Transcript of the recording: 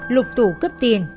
lục tủ cướp tiền